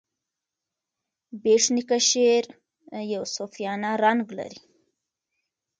بېټ نیکه شعر یو صوفیانه رنګ لري.